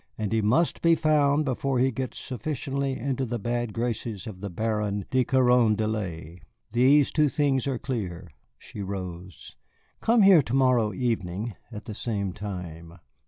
And he must be found before he gets sufficiently into the bad graces of the Baron de Carondelet, these two things are clear." She rose. "Come here to morrow evening at the same time."